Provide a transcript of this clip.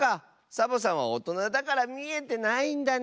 サボさんはおとなだからみえてないんだね。